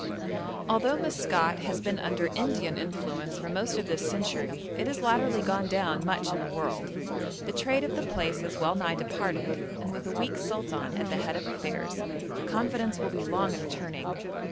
Although Maskat has been under Indian influence for most of this century, it has latterly gone down much in the world; the trade of the place has well nigh departed, and with a weak sultan at the head of affairs, confidence will be long in returning.